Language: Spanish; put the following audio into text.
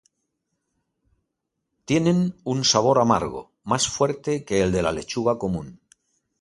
Tienen un sabor amargo, más fuerte que el de la lechuga común.